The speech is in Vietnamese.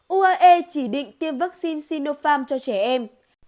u a e chỉ định tiêm vaccine sinopharm cho trẻ em